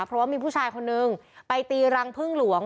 เพราะว่ามีผู้ชายคนนึงไปตีรังพึ่งหลวง